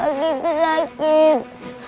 kaki aku sakit